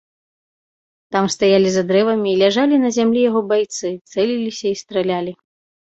Там стаялі за дрэвамі і ляжалі на зямлі яго байцы, цэліліся і стралялі.